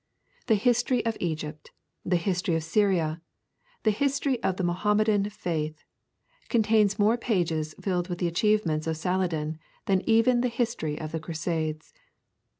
The History of Egypt, the History of Syria, the History of the Mohammedan faith, contain more pages filled with the achievements of Saladin than even the History of the Crusades.